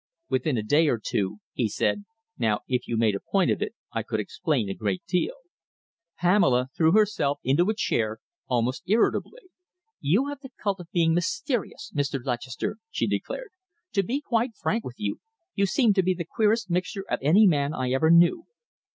"Within a day or two," he said, "now, if you made a point of it, I could explain a great deal." Pamela threw herself into a chair almost irritably. "You have the cult of being mysterious, Mr. Lutchester," she declared. "To be quite frank with you, you seem to be the queerest mixture of any man I ever knew."